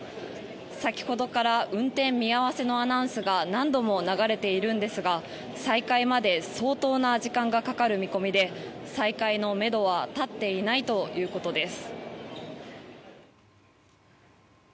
先ほどから運転見合わせのアナウンスが何度も流れているんですが再開まで相当な時間がかかる見込みで再開のめどは立っていないということです。